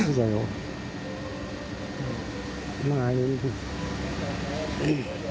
ไม่ทำไม่ได้ยินด้วย